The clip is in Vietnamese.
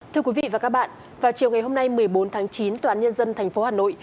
thưa quý vị và các bạn vào chiều ngày hôm nay một mươi bốn tháng chín tòa án nhân dân tp hà nội